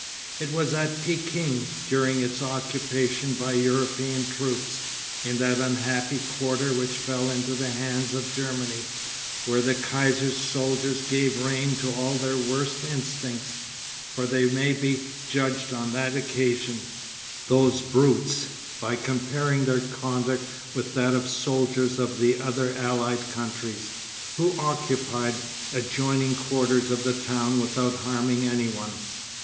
It was at Pekin, during its occupation by European troops, in that unhappy quarter which fell into the hands of Germany, where the Kaiser's soldiers gave rein to all their worst instincts, for they may be judged on that occasion, those brutes, by comparing their conduct with that of the soldiers of the other allied countries, who occupied the adjoining quarters of the town without harming anyone.